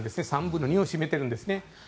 ３分の２を占めてるんですね。